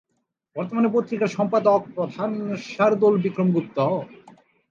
বর্তমানে পত্রিকার সম্পাদক-প্রধান-শারদুল বিক্রম গুপ্ত।